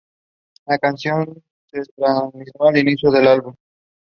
He belonged to the Konkani community.